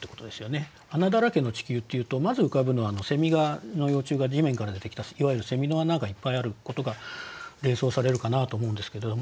「穴だらけの地球」っていうとまず浮かぶのはの幼虫が地面から出てきたいわゆるの穴がいっぱいあることが連想されるかなと思うんですけれども。